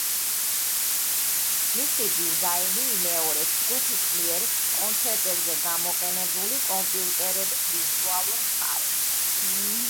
მისი დიზაინი იმეორებს ჯგუფის მიერ კონცერტებზე გამოყენებული კომპიუტერების ვიზუალურ მხარეს.